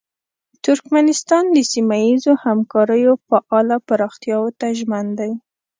ترکمنستان د سیمه ییزو همکاریو فعاله پراختیاوو ته ژمن دی.